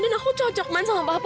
dan aku cocok man sama papa